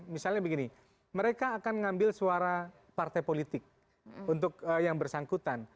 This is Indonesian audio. misalnya begini mereka akan mengambil suara partai politik untuk yang bersangkutan